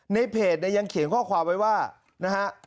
ในเพจเนี่ยยังเขียนข้อความไว้ว่านะฮะ